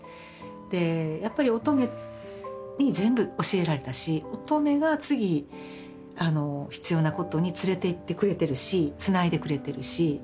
でやっぱり音十愛に全部教えられたし音十愛が次必要なことに連れていってくれてるしつないでくれてるし。